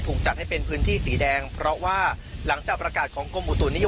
จัดให้เป็นพื้นที่สีแดงเพราะว่าหลังจากประกาศของกรมอุตุนิยม